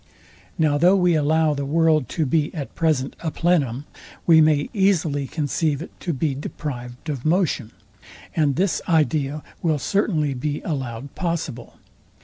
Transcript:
Now though we allow the world to be at present a plenum, we may easily conceive it to be deprived of motion; and this idea will certainly be allowed possible.